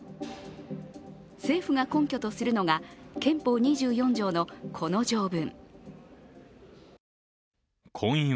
政府が根拠とするのが憲法２４条のこの条文。